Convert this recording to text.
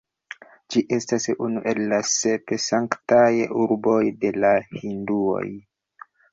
Ĝi estas unu el la sep sanktaj urboj de la hinduoj.